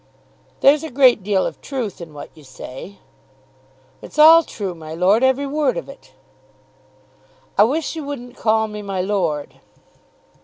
"There's a great deal of truth in what you say." "It's all true, my lord. Every word of it." "I wish you wouldn't call me my lord."